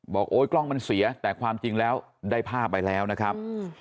โอ๊ยกล้องมันเสียแต่ความจริงแล้วได้ภาพไปแล้วนะครับ